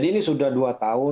dan juga dikatakan